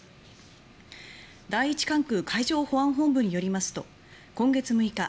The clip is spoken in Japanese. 第一管区海上保安本部によりますと、今月６日